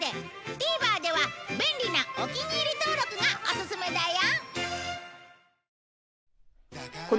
ＴＶｅｒでは便利なお気に入り登録がオススメだよ！